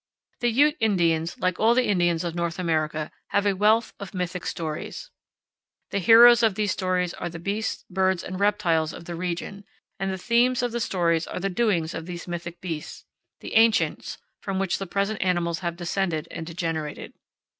The Ute Indians, like all the Indians of North America, have a wealth of mythic stories. The heroes of these stories are the beasts, birds, and reptiles of the region, and the themes of the stories are the doings of these mythic beasts the ancients from whom the present animals have descended and degenerated.